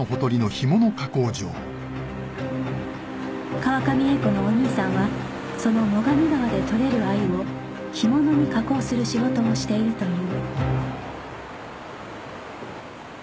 川上英子のお兄さんはその最上川で獲れる鮎を干物に加工する仕事をしているという